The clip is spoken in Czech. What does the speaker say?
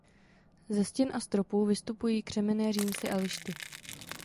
Ze stěn a stropů vystupují křemenné římsy a lišty.